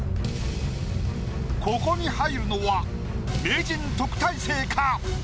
ここに入るのは名人特待生か？